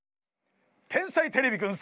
「天才てれびくん」